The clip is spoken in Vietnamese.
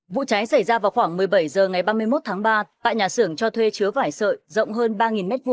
vụ cháy xảy ra vào khoảng một mươi bảy h ngày ba mươi một tháng ba tại nhà xưởng cho thuê chứa vải sợi rộng hơn ba m hai